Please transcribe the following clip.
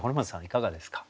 いかがですか？